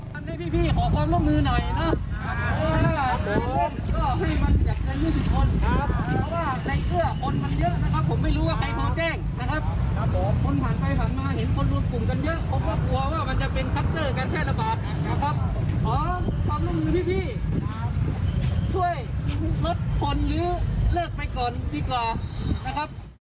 ครับขอความรับมือพี่ช่วยลดคนหรือเลิกไปก่อนดีกว่านะครับ